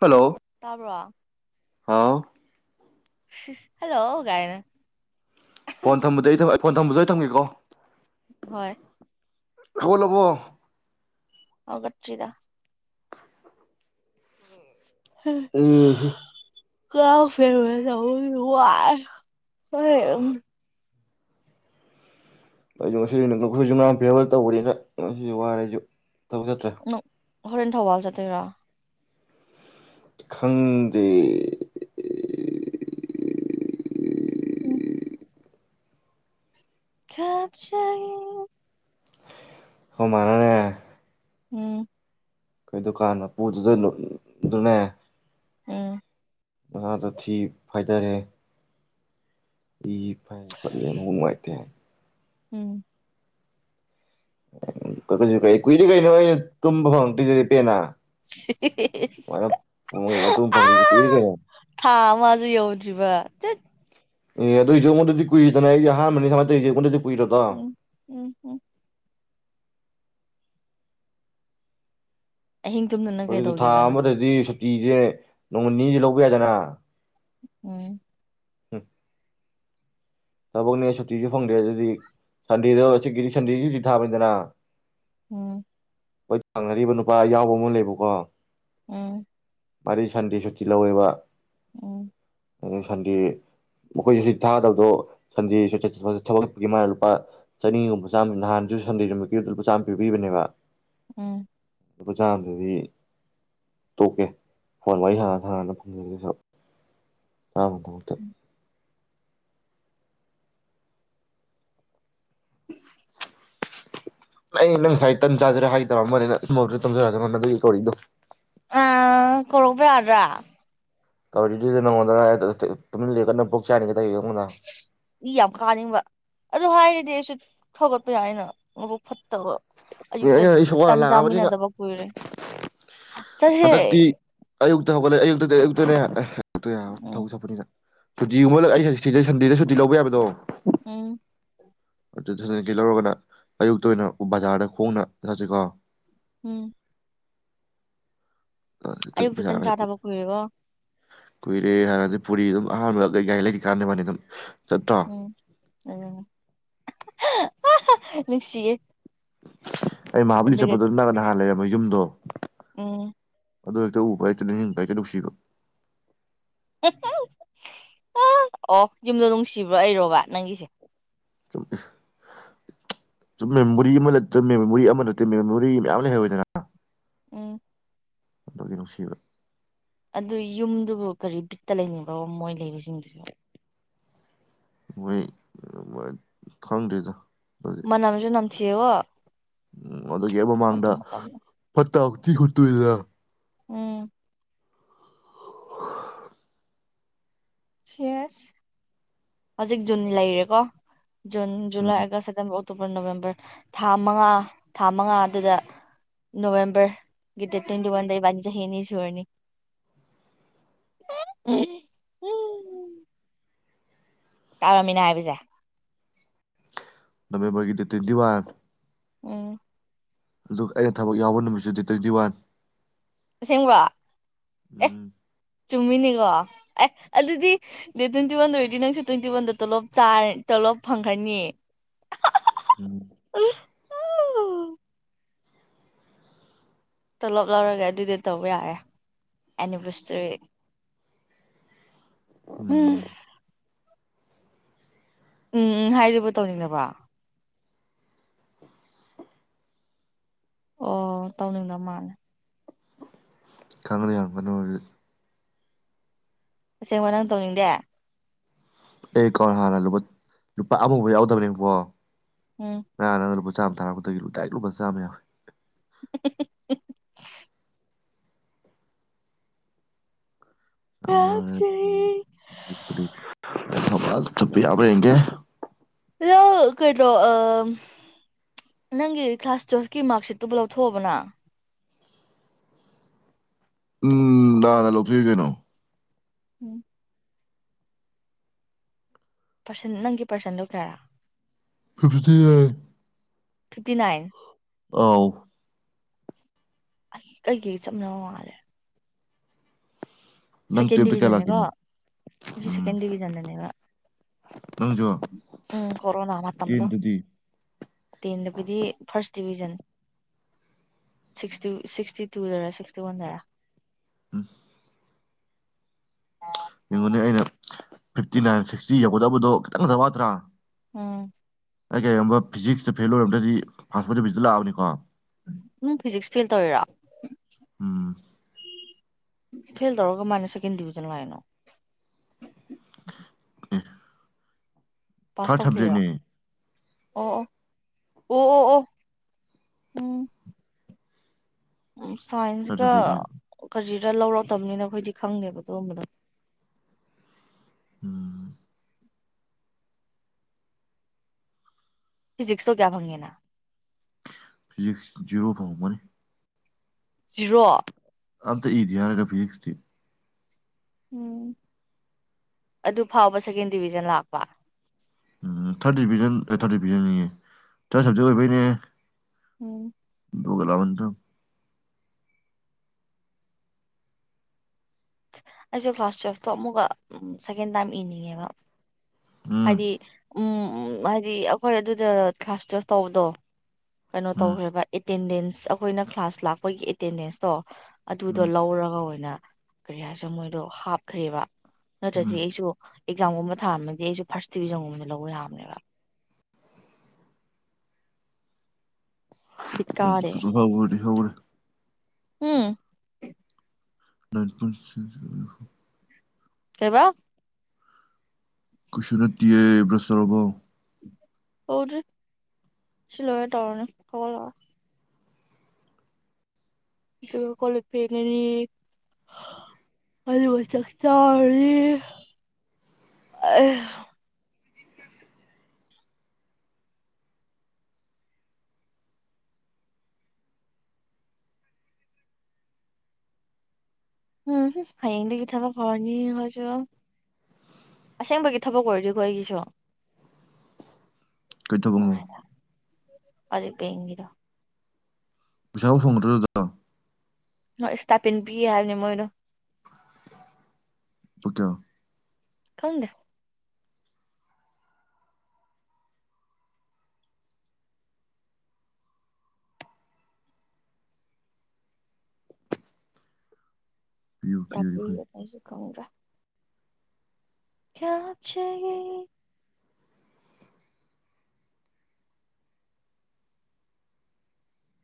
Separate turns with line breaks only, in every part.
Hello
ꯇꯥꯕ꯭ꯔꯣ
ꯍꯥꯎ
hello ꯒꯥꯏꯅ
ꯐꯣꯟ ꯊꯝꯕꯗꯩ ꯑꯩ ꯊꯕꯛ ꯐꯣꯟ ꯊꯝꯕꯗꯣ ꯑꯩ ꯊꯝꯒꯦꯀꯣ
ꯍꯣꯏ
ꯍꯧꯒꯠꯂꯕꯣ
ꯑꯧꯒꯠꯇ꯭ꯔꯤꯗ
ꯎꯝ
[unintelligible] [unintelligible] ꯋꯥꯔꯦ
ꯑꯩꯁꯨ ꯉꯁꯤꯈꯣꯏꯁꯨꯝ ꯐꯦꯔꯋꯦꯜ ꯇꯧꯕꯅꯤꯅ ꯉꯁꯤꯁꯨ ꯋꯥꯔꯦ ꯑꯩꯁꯨ ꯊꯕꯛ ꯆꯠꯗ꯭ꯔꯥ
ꯅꯪ ꯍꯣꯔꯦꯟ ꯊꯧꯕꯥꯜ ꯆꯠꯇꯣꯏꯔꯣ
ꯈꯪꯗꯦ
ꯎꯝ ꯀꯞꯆꯩ
ꯈꯣꯏ ꯃꯥ ꯅꯅꯦ
ꯎꯝ
ꯈꯣꯏ ꯗꯨꯀꯥꯟꯅ ꯄꯣꯠꯇꯗ [unintelligible] ꯑꯗꯨꯅꯦ
ꯎꯝ
ꯃꯍꯥꯛꯗ ꯊꯤ ꯐꯥꯏꯗꯔꯔꯦ ꯏ ꯐꯥꯏ ꯈꯣꯠꯂꯦ ꯎꯅꯨꯡꯉꯥꯏꯇꯦ
ꯎꯝ
ꯎ ꯀꯩꯁꯨ ꯀꯩ ꯀꯨꯏꯔꯤ ꯀꯩꯅꯣ ꯑꯩꯅ ꯇꯨꯝꯕ ꯐꯪꯉꯛꯇꯣꯏꯗꯗꯤ ꯄꯦꯅꯥ
[inaudible]
ꯐꯣꯟ ꯌꯦꯡꯉ ꯇꯨꯝ
ꯑ
ꯐꯪꯗ꯭ꯔꯤꯁꯦ ꯀꯨꯏꯔꯦ ꯀꯩꯅꯣ
ꯊꯥ ꯃꯥꯁꯨꯨ ꯌꯎꯗ꯭ꯔꯤꯕ ꯆꯠ
ꯑꯦ ꯑꯗꯨ ꯑꯩꯁꯨ ꯑꯩꯉꯣꯟꯗꯗꯤ ꯀꯨꯏꯗꯅ ꯑꯩ ꯑꯍꯥꯟꯕꯅꯤꯃ ꯑꯩꯁꯦ ꯑꯩꯉꯗꯗꯤ
ꯎꯝ ꯎꯝ ꯎꯝ
[unintelligible]
ꯑꯍꯤꯡ ꯇꯨꯝꯗꯅ
ꯑꯗꯨ ꯊꯥ
ꯀꯩꯗꯧꯒꯦꯕ ꯅꯪ
ꯑꯃꯗꯗꯤ ꯁꯨꯇꯤꯁꯦ ꯅꯣꯡ ꯅꯤꯗꯤ ꯂꯧꯕ ꯌꯥꯗꯅ
ꯎꯝ
ꯎꯝ ꯊꯕꯛꯅꯦ ꯁꯨꯇꯤꯁꯨ ꯐꯪꯗ꯭ꯔꯦ ꯑꯗꯨꯗꯤ ꯁꯟꯗꯦꯗ ꯍꯧꯛꯀꯤꯗꯤ ꯁꯟꯗꯦꯁꯤ ꯁꯨꯇꯤ ꯊꯥꯕꯅꯤꯗꯅ
ꯎꯝ
ꯍꯣꯏ ꯊꯥꯡꯅꯔꯤꯕ ꯅꯨꯄꯥ ꯌꯥꯎꯕ ꯑꯃ ꯂꯩꯕꯀꯣ
ꯎꯝ
ꯃꯥꯔꯤ ꯁꯟꯗꯦ ꯁꯨꯇꯤ ꯂꯧꯋꯦꯕ
ꯎꯝ
ꯁꯟꯗꯦ ꯃꯈꯣꯏꯁꯨꯇꯤ ꯊꯥꯗꯕꯗꯣ ꯁꯟꯗꯦ [unintelligible] ꯃꯥꯅ ꯂꯨꯄꯥ ꯆꯅꯤꯒꯨꯝꯕ ꯆꯥꯝꯃ ꯅꯍꯥꯟꯁꯨ ꯁꯟꯗꯦ ꯅꯨꯃꯤꯠꯀꯤ ꯂꯨꯄꯥ ꯆꯥꯝꯃ ꯄꯤꯕꯤꯕꯅꯦꯕ
ꯎꯝ
ꯂꯨꯄꯥ ꯆꯥꯝꯗꯨꯗꯤ ꯇꯣꯛꯀꯦ ꯐꯣꯟ ꯋꯥꯔꯤ ꯍꯥꯟꯅ ꯊꯥꯡꯅꯅ ꯐꯪꯖꯒꯦꯁꯨ ꯆꯥꯃꯩ ꯗꯃꯛꯇ ꯅ ꯅꯪ ꯉꯁꯥꯏ ꯇꯟ ꯆꯥꯖꯔꯦ ꯍꯥꯏꯇꯥꯕ ꯑꯃꯅꯦ ꯅꯪ ꯇꯝꯖꯔꯛꯅꯣ ꯅ ꯑꯗꯨꯒꯤ ꯀꯧꯔꯤꯗꯣ
ꯑꯥ ꯀꯣꯔꯛꯕ ꯌꯥꯗ꯭ꯔꯥ
ꯀꯕꯗꯨꯗꯤꯅꯉꯅ ꯄꯨꯣꯛ ꯆꯅꯤ
ꯏ ꯌꯥꯝ ꯀꯥꯅꯤꯕꯥ ꯑꯗꯨ ꯍꯥꯏꯔꯗꯤ ꯑꯩꯁꯨ ꯊꫭꯛꯂꯛꯄ ꯌꯥꯏꯅ ꯃꯕꯨꯛ ꯐꯠꯇꯕ
ꯑꯦ
ꯑꯌꯨꯛꯇ
ꯑꯩꯅ ꯑꯩ ꯁꯣꯛ ꯋꯥꯅ
ꯇꯥꯟ
ꯂꯥꯛꯑꯕꯅꯤꯅ
ꯆꯥꯃꯤꯟꯅꯗꯕ ꯀꯨꯏꯔꯦ ꯆꯠꯁꯦ
ꯒꯠ ꯂꯩ ꯑꯌꯨꯛ ꯑꯌꯨꯛ ꯇꯥꯅꯦ ꯑꯗꯨꯇ ꯌꯥꯔꯣꯏ
ꯎꯝ
ꯊꯧ ꯆꯕꯅꯤꯅ ꯁꯨꯇꯤꯒꯨꯝꯕꯂꯛ ꯑꯩꯗ ꯁꯟꯗꯦꯗ ꯁꯨꯇꯤ ꯂꯧꯕ ꯌꯥꯕꯗꯣ
ꯎꯝ
ꯑꯗꯨ ꯂꯧꯔꯒꯅ ꯑꯌꯨꯛꯇ ꯑꯣꯏꯅ ꯕꯖꯥꯔꯗ ꯐꯣꯡꯅ ꯊꯥꯁꯤꯀꯣ
ꯎꯝ ꯑꯌꯨꯛꯇ ꯇꯟ ꯆꯥ ꯊꯕ ꯀꯨꯏꯔꯦꯔꯤꯕꯣ
ꯀꯣꯏꯔꯦ ꯍꯔꯗꯤ ꯄꯨꯔꯤ ꯑꯗꯨꯝ ꯑꯍꯥꯟꯕ ꯒꯥꯏꯂ ꯀꯔꯅ ꯄꯅꯤ ꯑꯗꯨ
ꯎꯝ ꯑꯣ ꯅꯨꯡꯁꯤꯌꯦ
ꯑꯩ ꯃꯍꯥꯕꯂꯤ
ꯑꯗꯨꯒ
ꯆꯠꯄꯗꯨ ꯅ ꯅꯥꯟ ꯂꯩꯔꯦ ꯅꯣꯏ ꯌꯨꯝꯗꯣ
ꯎꯝ
ꯑꯗꯨ ꯍꯦꯛꯇ ꯎꯕ ꯍꯦꯛꯇ ꯅꯤꯡꯁꯤꯡꯕ ꯍꯛꯇꯦ ꯎꯅꯨꯡꯁꯤꯕ
ꯑꯣ ꯌꯨꯝꯗꯣ ꯅꯨꯡꯁꯤꯕ꯭ꯔꯥ ꯑꯩꯔꯣꯕ ꯅꯪꯒꯤꯁꯦ
ꯁꯨꯝ ꯁꯨꯝ ꯃꯦꯃꯣꯔꯤ ꯑꯃ ꯂꯩ ꯃꯦꯃꯣꯔꯤ ꯑꯃ ꯅꯠꯇꯦ ꯃꯦꯃꯣꯔꯤ ꯃꯌꯥꯝ ꯂꯩꯍꯧꯋꯗꯅ
ꯎꯝ
ꯑꯗꯨꯒꯤ ꯅꯨꯡꯁꯤꯕ
ꯑꯗꯨ ꯌꯨꯝꯗꯨꯕꯨ ꯀꯔꯤ ꯕꯤꯠꯇ ꯂꯩꯅꯤꯡꯕꯣ ꯃꯣꯏ ꯂꯩꯕꯁꯤꯡꯗꯨꯁꯨ
ꯅꯣꯏ ꯈꯪꯗꯔ꯭ꯤꯗ
ꯃꯅꯝ ꯖꯨꯅꯝ ꯁꯤꯔꯔꯣ꯫
ꯎꯝ ꯑꯗꯨꯒꯤ ꯍꯦꯛ ꯃꯃꯥꯡꯗ ꯇꯛꯇꯤ ꯈꯨꯠꯇꯨꯣꯏꯗꯅ
ꯎꯝ
[inaudible]
ꯁꯦꯁ ꯍꯧꯖꯤꯛ ꯖꯨꯟ ꯂꯩꯔꯦꯀꯣ ꯖꯨꯟ
ꯎꯝ
ꯖꯨꯂꯥꯏ ꯑꯒꯁꯇ ꯁꯦꯞꯇꯦꯝꯕꯔ ꯑꯣꯛ ꯑꯣꯛꯇꯣꯕꯔ ꯅꯣꯕꯦꯝꯕꯔ ꯊꯥ ꯃꯉꯥ ꯊꯥ ꯃꯉꯥ ꯑꯗꯨꯗ ꯅꯣꯕꯦꯝꯕꯔꯒꯤ ꯗꯦꯠ ꯇ꯭ꯋꯦꯟꯇꯤ ꯋꯥꯟꯗ ꯏꯕꯥꯅꯤ ꯆꯍꯤ ꯑꯅꯤ ꯁꯨꯔꯅꯤ ꯇꯥꯔꯕꯃꯤꯅ ꯍꯥꯏꯕꯁꯦ
ꯅꯥꯕꯦꯟ ꯕꯔꯒꯤꯗꯦꯠ ꯇꯋꯦꯟꯇꯤ ꯋꯥꯔ
ꯎꯝ
ꯑꯗꯨ ꯑꯩꯅ ꯊꯕꯛ ꯌꯥꯎꯕ ꯅꯨꯃꯤꯠꯁꯨ ꯗꯦꯠ ꯇ꯭ꯋꯦꯟꯇꯤ ꯋꯥꯟ
ꯑꯁꯤꯡꯕ
ꯎꯝ
ꯆꯨꯝꯃꯤꯅꯤꯀꯣ ꯑꯦ ꯑꯗꯨꯗꯤ ꯗ ꯇ꯭ꯋꯦꯟꯇꯤ ꯋꯥꯟꯗ ꯑꯣꯏꯔꯗꯤ ꯅꯪꯁꯨ ꯇ꯭ꯋꯦꯟꯇꯤ ꯋꯥꯟꯗ ꯇꯂꯣꯞ ꯇꯂꯣꯞ ꯐꯪꯈ꯭ꯔꯅꯤꯌꯦ
ꯎꯝ
ꯇꯣꯂꯞ ꯂꯧꯔꯒꯦ ꯑꯗꯨꯗꯤ ꯇꯧ ꯌꯥꯔꯦ ꯑꯦꯅꯤꯚꯔꯁꯔꯤ ꯎꯝ
ꯑ
ꯎꯝ ꯎꯝ ꯍꯥꯏꯔꯤꯕ ꯇꯧꯅꯤꯡꯕ ꯑꯣ ꯇꯧꯅꯤꯡꯕ ꯃꯥꯜꯂꯦ
[unintelligible]
ꯑꯁꯦꯡꯕ ꯅꯪ ꯇꯧꯅꯤꯡꯗꯦ
ꯑꯩ ꯑꯀꯥꯎꯟ ꯍꯥꯟꯅ ꯂꯨꯄꯥ ꯑꯃꯐꯥꯎꯕ ꯌꯥꯎꯗꯕꯅꯦꯀꫭ
ꯎꯝ
[unintelligible] ꯆꯥꯝꯃ ꯊꯥꯔꯛꯄꯗꯒꯤ ꯗꯥꯏꯔꯛ ꯂꯨꯕ ꯆꯝ ꯌꯥꯋꯦ
[inaudible]
[inaudible]
ꯅꯪ
[unintelligible] [unintelligible] ꯌꯦꯡꯒꯦ
ꯍ ꯀꯩꯅꫭ ꯅꯪꯒꯤ ꯀ꯭ꯂꯥꯁ ꯇꯨꯋꯦꯜꯐꯀꯤ ꯃꯥꯔꯛꯁꯤꯠꯇꯨꯕꯨ ꯂꯧꯊꯣꯛꯑꯕ ꯅꯪ
ꯎꯝ ꯅꯥꯍꯟꯅ ꯂꯧꯊꫭꯛꯑ ꯀꯩꯅꯣ
ꯎꯝ ꯄꯔꯁꯟ ꯅꯪꯒꯤ ꯄꯥꯔꯁꯟꯗꯨꯣ ꯀꯌꯥꯔꯥ
ꯐꯤꯞꯇꯤ ꯏꯥꯒꯇ
ꯐꯤꯞꯇꯤ ꯅꯥꯏꯟ
ꯑꫭ
ꯑꯩ ꯀꯩꯀꯩ ꯆꯞꯅꯕ ꯃꯥꯜꯂꯦ
ꯅꯪ
ꯁꯦꯀꯦꯟ
ꯇꯨꯌꯦꯞꯇ ꯀꯌꯥ
ꯗꯤꯕꯤꯖꯟꯅꯤꯀꯣ
ꯂꯥꯛꯀꯦꯅꯣ
ꯑꯩ
ꯎꯝ
ꯁꯦꯀꯦꯟ ꯗꯤꯕꯤꯖꯟꯗꯅꯦꯕ
ꯅꯪꯁꯨ
ꯎꯝ ꯀꯣꯔꯣꯅꯥ ꯃꯇꯝꯗꯣ
ꯇꯦꯟꯗꯨꯗꯤ
ꯇꯦꯟꯗꯕꯨꯗꯤ ꯐꯥꯔꯁ ꯗꯤꯕꯤꯖꯟ ꯁꯤꯛꯁꯇꯤ ꯁꯤꯛꯁꯇꯤ ꯇꯨꯗꯔꯥ ꯁꯤꯛꯁꯇꯤ ꯋꯥꯟꯗꯔꯥ
ꯎꯝ
ꯑ
ꯌꯦꯡꯉꯨꯅꯦ ꯑꯩꯅ ꯐꯤꯐꯇꯤ ꯅꯥꯏꯟ ꯁꯤꯛꯁꯇꯤ ꯌꯧꯒꯗꯕꯗꯣ ꯈꯤꯇꯪ ꯉꯇ ꯋꯥꯠꯇ꯭ꯔꯥ
ꯎꯝ
ꯑꯩ ꯀꯔꯤꯒꯨꯝꯕ ꯐꯤꯖꯤꯛꯁꯇ ꯐꯦꯜ ꯑꯣꯏꯔꯝꯗꯗꯤ ꯐꯥꯁ ꯐꯣꯔꯗ ꯚꯤꯖꯤꯇ ꯂꯥꯛꯑꯅꯤꯀꯣ
ꯅꯝ ꯐꯤꯖꯤꯛꯁ ꯐꯦꯜ ꯇꯧꯋꯔꯥ
ꯑ
ꯐꯤ ꯇꯧꯔꯒ ꯃꯥꯅꯦ ꯁꯦꯀꯦꯟ ꯗꯤꯕꯤꯖꯟ ꯂꯥꯏꯅꯣ
ꯑꯦ
ꯄꯥꯁ
ꯊꯥꯔꯠ
ꯇꯧꯈ꯭ꯔꯤꯔꯣ
ꯁꯕꯖꯦꯛꯅꯦ
ꯑꯣ ꯑꯣ ꯑꯣ ꯑꯣ ꯑꯣ ꯎꯝ ꯎ
ꯊꯥꯔꯠ
ꯁꯥꯏꯟꯁꯒ
ꯁꯕꯖꯦꯛ ꯑꯣꯏꯕ
ꯗ ꯂꯧꯔꯛꯇꯕꯅꯤꯅ ꯑꯩꯈꯣꯏꯗꯤ ꯈꯪꯅꯦꯦꯕ ꯑꯗꯨꯒꯣꯝꯕꯗꯣ
ꯎꯝ
ꯐꯤꯖꯤꯛꯁꯣ ꯀꯌꯥ ꯐꯪꯉꯤꯅ
ꯐꯤꯖꯤꯛꯁ ꯖꯖꯤꯔꯣ ꯐꯥꯎꯕꯅꯤ
ꯁꯤꯖꯤꯔꯣ
ꯑꯝꯗ ꯏ ꯌꯥꯔꯒ ꯛꯁꯇꯤ
ꯎꯝ ꯑꯗꯨ ꯐꯥꯎꯕ ꯁꯦꯀꯦꯟ ꯗꯤꯕꯤꯖꯟ ꯂꯥꯛꯄ
ꯎꯝ ꯊꯥꯔꯠ ꯗꯤꯚꯖꯟ ꯑꯦ ꯊꯥꯔꯠ ꯗꯤꯕꯤꯖꯟꯅꯤꯌꯦ ꯊꯥꯔꯠ ꯁꯕꯖꯦꯛ ꯑꯣꯏꯕꯩꯅꯦ
ꯎꯝ
ꯒꯂꯕꯗ
ꯑꯩꯁꯨꯦ ꯀ꯭ꯂꯥꯁ ꯇꯨꯌꯦꯜꯐꯇꯣ ꯑꯃꯨꯛꯀ ꯁꯦꯀꯦꯟ ꯇꯥꯏꯝ ꯏꯅꯤꯡꯉꯦꯕ
ꯎꯝ
ꯍꯥꯏꯗꯤ ꯎꯝ ꯍꯥꯏꯗꯤ ꯑꯩꯈꯣꯏ ꯑꯗꯨꯗ ꯀ꯭ꯂꯥꯁ ꯇꯨꯌꯦꯜꯄ ꯇꯧꯕꯗꯣ ꯀꯩꯅꯣ
ꯎꯝ
ꯇꯧꯈ꯭ꯔꯦꯕ ꯑꯦꯇꯦꯟꯗꯦꯟꯁ ꯑꯁ ꯑꯩꯈꯣꯏꯅ ꯀ꯭ꯂꯥꯁ ꯂꯥꯛꯄꯒꯤ ꯑꯦꯇꯦꯟꯗꯦꯟꯁꯇꯣ ꯑꯗꯨꯗꯣ ꯂꯧꯔꯒ ꯑꯣꯏꯅ ꯀꯔꯤ ꯍꯥꯏꯁꯤꯔꯥ ꯃꯣꯏꯗꯣ ꯍꯥꯞꯈ꯭ꯔꯦꯕ ꯅꯠꯇ꯭ꯔꯗꯤ
ꯎꯝ
ꯑꯩꯁꯨ ꯑꯦꯛꯖꯥꯝꯒꯨꯝꯕ ꯊꯥꯔꯝꯃꯗꯤ ꯑꯩꯁꯨ ꯐꯥꯔꯁ ꯗꯤꯕꯤꯖꯟꯒꯨꯝꯕ ꯂꯧꯕ ꯌꯥꯕꯅꯦꯕ ꯕꯤꯠ ꯀꯥꯗꯦ
[unintelligible]
ꯎꯝ
[unintelligible]
ꯀꯩꯕ
ꯀꯩꯁꯨ ꯅꯠꯇꯤꯌꯦ ꯕꯔꯁ ꯇꯧꯔꯕꯣ
ꯇꯧꯗ꯭ꯔꯤ ꯁꯤ ꯂꯣꯏꯔ ꯊꯧꯔꯅꯤ ꯍꯧꯒꯠꯂꯣ ꯑꯗꯨꯒ ꯀꯣꯂꯞ ꯐꯦꯡꯉꯅꯤ ꯑꯗꯨꯒ ꯆꯥꯛ ꯆꯥꯔꯅꯤ ꯎꯝꯍꯨꯝ ꯍꯌꯦꯡꯗꯒꯤ ꯊꯕꯛ ꯍꯧꯔꯅꯤ ꯑꯩꯈꯣꯏꯁꯨ ꯑꯁꯦꯡꯕꯒꯤ ꯊꯕꯛ ꯑꯣꯏꯗꯣꯏꯀꯣ ꯑꯩꯒꯤꯁꯨ
ꯀꯩ ꯊꯕꯛꯅꯣ
[unintelligible] ꯍꯧꯖꯤꯛ ꯄꯦꯡꯈꯤꯗꯣ
ꯄꯩꯁꯥꯕꯨ ꯐꯪꯒꯗ꯭ꯔꯣ ꯑꯗꯨꯗꯣ
ꯍꯣꯏ ꯏꯁꯇꯥꯄꯤꯟ ꯄꯤ ꯍꯥꯏꯕꯅꯤ ꯃꯣꯏꯅꯣ
ꯄꯀꯣ
ꯈꯪꯗꯦ
ꯄꯤꯌꯨ ꯄꯤꯔꯗꯤ ꯐꯩ
ꯀꯌꯥꯦ [unintelligible] ꯀꯧꯗ꯭ꯔꯥ ꯀꯌꯥ ꯍꯥ ꯆꯦ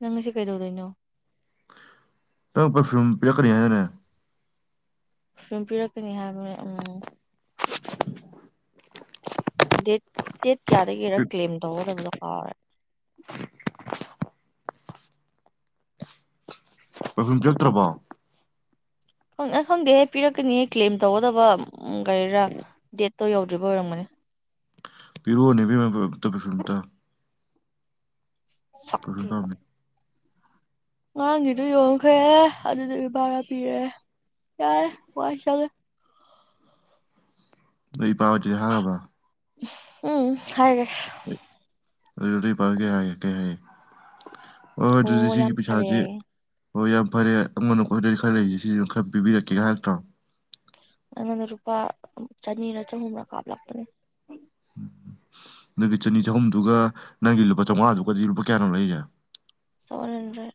ꯅꯪ ꯑꯁꯤ ꯀꯩꯗꯧꯗꯣꯏꯅꯣ
ꯇ ꯄꯐ꯭ꯌ ꯄꯤꯌꯥ ꯀꯔꯤ ꯍꯥꯏꯗꯅꯦ
ꯁꯨꯝ ꯄꯤꯔꯛꯀꯅꯤ ꯍꯥꯏꯕꯅꯦ ꯎꯝ ꯗꯦꯠ ꯗꯦꯠ ꯀꯌꯥꯗꯒꯤꯔ ꯀ꯭ꯂꯦꯝ ꯇꯧꯒꯗꯕꯗꯣ ꯀꯥꯔꯔꯦ
ꯄꯔꯐꯨꯌ ꯆꯠꯇ꯭ꯔꯕꯣ
ꯪ ꯈꯪꯗꯦꯍꯦ ꯄꯤꯔꯛꯀꯅꯤꯍ ꯀ꯭ꯂꯦꯝ ꯇꯧꯒꯗꯕ ꯎꯒꯩꯔ ꯇꯧ ꯌꯧꯗ꯭ꯔꯤꯕ ꯑꯣꯏꯔꯝꯒꯅꯤ
[unintelligible] ꯐꯤꯔꯅꯦꯕꯤ ꯃ ꯇꯁꯨꯇ [unintelligible] ꯄꯨꯔꯕꯝꯃꯦ
ꯑꯉꯥꯡꯒꯤꯗꯨ ꯌꯣꯟꯈ꯭ꯔꯦ ꯑꯗꯨꯗꯨꯁꯨ ꯚꯔꯥ ꯄꯤꯔꯦ ꯌꯥꯔꯦ ꯋꯥ ꯆꯠꯂꯦ
ꯑꯩ ꯄꯥꯎꯗꯤ ꯍꯥꯏꯔꯕ
ꯎꯝ ꯍꯥꯏ
ꯑꯗꯨ ꯑꯗꯨ ꯄꯥꯏꯒꯦ ꯍꯥꯏꯀꯦ ꯍꯥꯏ ꯑꯣꯏ
ꯑꯣ
ꯑꯗꯨꯗꯤ
ꯌꯥꯝ
ꯁꯤꯒꯤ
ꯐꯔꯦ
ꯄꯩꯁꯁꯤ
ꯍꯥꯏꯌꯦ
ꯍꯣꯏ ꯌꯥꯝ ꯐꯔꯦ ꯑꯩꯉꯣꯟꯀꯣꯏꯗ ꯈꯔ ꯂꯩꯁꯦ ꯁꯤꯁꯤ ꯈꯔ ꯄꯤꯕꯤꯔꯛꯀꯦꯒꯥꯏꯥꯛꯇ꯭ꯔꯣ
ꯑꯗꯨꯉꯣꯟꯗ ꯂꯨꯄꯥ ꯆꯅꯤꯔ ꯆꯍꯨꯝꯔꯥ ꯀꯥꯞꯂꯛꯄꯅꯦ
ꯅꯪꯒꯤ ꯆꯅꯤ ꯆꯍꯨꯝꯗꯨꯒ ꯅꯪꯒꯤ ꯂꯨꯄꯥ ꯆꯥꯝꯃꯉꯥꯗꯨꯒꯗꯤ ꯂꯨꯄꯥ ꯀꯌꯥꯅꯣ ꯂꯩꯔꯤꯁꯦ
ꯁꯕꯜ ꯍꯟ꯭ꯗꯔꯦꯠ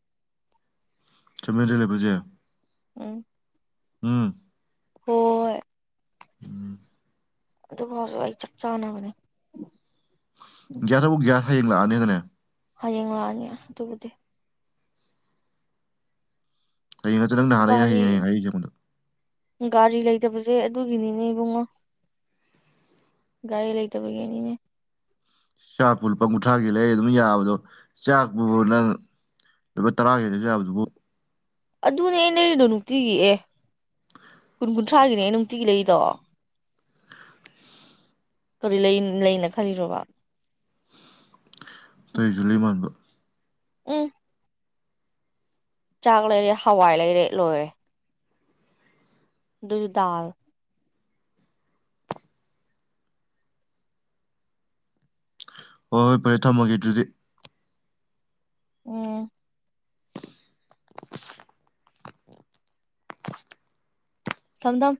[unintelligible]
ꯎꯝ
ꯎꯝ
ꯍꯣꯏ
ꯎꯝ
ꯑꯗꯨ ꯐꯥꯎꯁꯨ ꯑꯩ ꯆꯞ ꯆꯥꯅꯕꯅꯦ
[unintelligible] ꯍꯌꯦꯡ ꯂꯥꯛꯑꯅꯤ ꯍꯥꯏꯗꯥꯏꯅꯦ
ꯍꯌꯦꯡ ꯂꯥꯛꯑꯅꯤ ꯑꯗꯨꯕꯨꯗꯤ
ꯍꯌꯦꯡ ꯅꯠꯇꯔꯥ ꯅꯪ ꯅꯍꯥꯟꯗꯩ ꯍꯌꯦꯡ
ꯒꯥꯔꯤ
ꯍꯌꯦꯡ ꯔꯛꯏꯦ ꯑꯩꯉꯣꯟꯗ
ꯒꯥꯔꯤ ꯂꯩꯇꯕꯁꯦ ꯑꯗꯨꯒꯤꯅꯤꯅꯦ ꯏꯕꯨꯡꯉꯣ ꯒꯥꯔꯤ ꯂꯩꯇꯕꯒꯤꯅꯤꯅꯦ
ꯆꯥꯛꯄꯨ ꯂꯨꯄꯥ ꯀꯨꯟꯊ꯭ꯔꯥꯒꯤ ꯂꯩ ꯑꯗꯨꯝ ꯌꯥꯕꯗꯣ ꯆꯥꯛꯄꯨ ꯅꯪ ꯂꯨꯄꯥ ꯇꯔꯥꯒꯤ ꯂꯩꯁꯨ ꯌꯥꯕꯗꯨꯕꯨ
ꯑꯗꯨꯅꯦ ꯑꯩꯅ ꯂꯩꯔꯤꯗꯣ ꯅꯨꯡꯇꯤꯒꯤ ꯑꯦ ꯀꯨꯟ ꯀꯨꯟꯊ꯭ꯔꯥꯒꯤꯅꯦ ꯑꯩ ꯅꯨꯡꯇꯤꯒꯤ ꯂꯩꯔꯤꯗꯣ ꯀꯔꯤ ꯂꯩꯅ ꯈꯜꯂꯤꯔꯣꯕ
[unintelligible] ꯃꯥꯟꯕ
ꯎꯝ ꯆꯥꯛ ꯂꯩꯔꯦ ꯍꯋꯥꯏ ꯂꯩꯔꯦ ꯂꯣꯏꯔꯦ ꯗꯨꯁꯨ ꯗꯥꯜ
ꯍꯣꯏ ꯍꯣꯏ ꯐꯔꯦ ꯊꯝꯃꯒꯦ ꯑꯗꯨꯗꯤ
ꯎꯝ
[inaudible]
ꯊꯝ ꯊꯝ